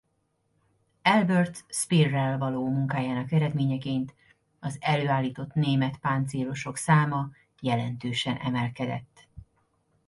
Albert Speerrel való munkájának eredményeként az előállított német páncélosok száma jelentősen emelkedett.